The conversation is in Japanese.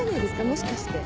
もしかして。